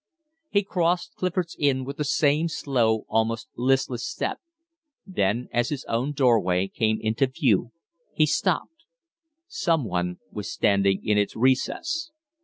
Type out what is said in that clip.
He crossed Clifford's Inn with the same slow, almost listless step; then, as his own doorway came into view, he stopped. Some one was standing in its recess.